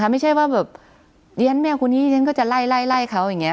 ไม่ใช่ว่าเบอร์เดียนแม่คุณนี้ก็จะไล่เขาอย่างนี้